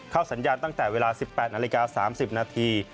สัญญาณตั้งแต่เวลา๑๘นาฬิกา๓๐นาที